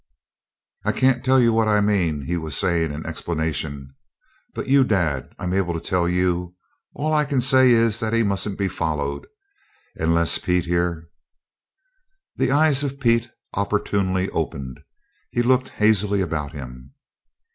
"I can't tell you what I mean," he was saying in explanation. "But you, dad, I'll be able to tell you. All I can say is that he mustn't be followed unless Pete here " The eyes of Pete opportunely opened. He looked hazily about him.